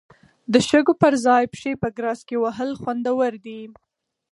د شګو پر ځای پښې په ګراس کې وهل خوندور دي.